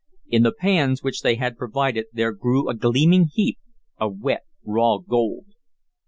In the pans which they had provided there grew a gleaming heap of wet, raw gold.